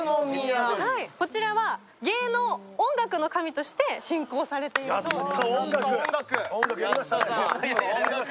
こちらは芸能、音楽の神として信仰されているそうです。